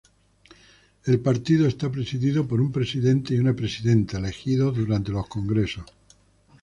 El partido está presidido por un presidente y una presidenta, elegidos durante los congresos.